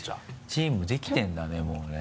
チームできてるんだねもうね。